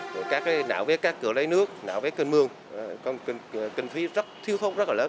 các đập bộ nạo vết các cửa lấy nước nạo vết cơn mương kinh phí thiếu thông rất là lớn